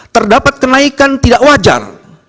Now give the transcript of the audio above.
terdapat kenaikan tidak wajar